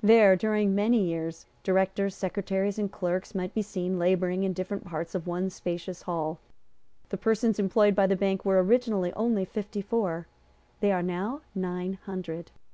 There, during many years, directors, secretaries and clerks might be seen labouring in different parts of one spacious hall. The persons employed by the bank were originally only fifty four. They are now nine hundred.